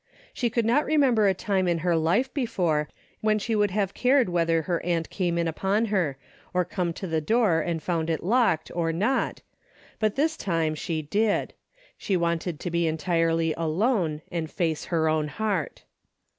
She could not remember a time in her life before, when she would have cared whether her aunt came in upon her, or came to the door and found it locked, or not, but this time she did. She wanted to be entirely alone and face her own heart.